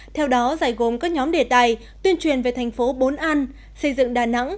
theo đó giải gồm các nhóm đề tài tuyên truyền về thành phố bốn an xây dựng đà nẵng